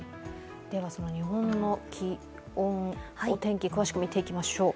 日本の気温、お天気詳しく見ていきましょう。